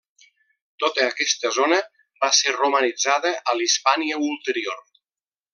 Tota aquesta zona va ser romanitzada a la Hispània Ulterior.